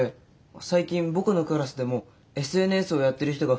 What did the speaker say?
最近僕のクラスでもＳＮＳをやってる人が増えたんですよ。